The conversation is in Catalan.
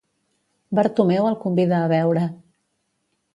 Bartomeu el convida a beure.